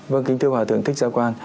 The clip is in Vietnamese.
vâng kính thưa hòa thượng thích gia quang